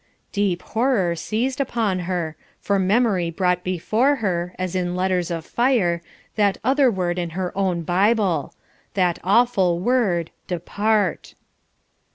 '" Deep horror seized upon her, for memory brought before her, as in letters of fire, that other word in her own Bible that awful word, "depart."